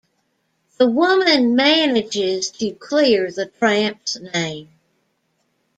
The woman manages to clear the Tramp's name.